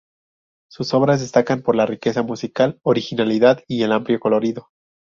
Sus obras destacan por la riqueza musical, originalidad y el amplio colorido.